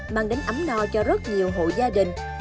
mang đến ấm no cho rất nhiều hộ gia đình